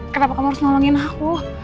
kenapa kamu harus ngomongin aku